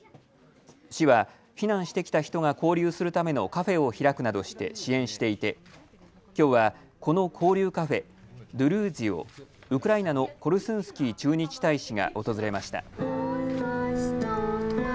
市は避難してきた人が交流するためのカフェを開くなどして支援していてきょうはこの交流カフェ、ドゥルーズィをウクライナのコルスンスキー駐日大使が訪れました。